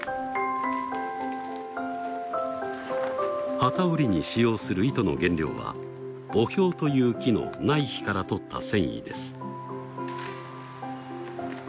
機織りに使用する糸の原料はオヒョウという木の内皮からとった繊維です。